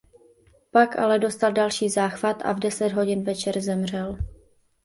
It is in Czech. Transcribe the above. Pak ale dostal další záchvat a v deset hodin večer zemřel.